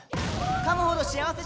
かむほど幸せ食感！